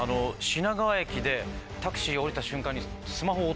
品川駅でタクシーを降りた瞬間に。